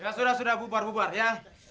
ya sudah sudah bubar bubar ya